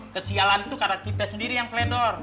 kesialan tuh karena kita sendiri yang fledor